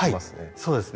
そうですね。